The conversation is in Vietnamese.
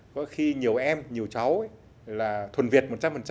có khi nhiều em nhiều cháu là thuần việt một trăm linh